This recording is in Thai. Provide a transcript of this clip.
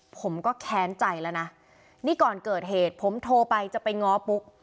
ผมก็แค้นใจแล้วนะนี่ก่อนเกิดเหตุผมโทรไปจะไปง้อปุ๊ก